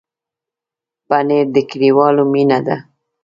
پنېر د کلیوالو مینه ده.